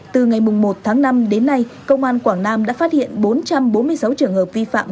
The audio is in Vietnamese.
từ ngày một tháng năm đến nay công an quảng nam đã phát hiện bốn trăm bốn mươi sáu trường hợp vi phạm